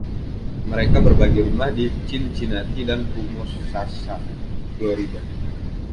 Mereka berbagi rumah di Cincinnati dan Homosassa, Florida.